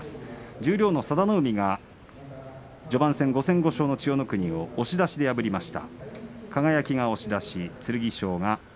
十両の佐田の海が序盤戦５戦５勝の千代の国を押し出しで破りました。